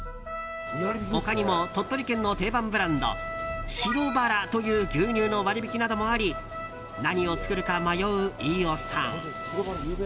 他にも、鳥取県の定番ブランド白バラという牛乳の割引などもあり何を作るか迷う飯尾さん。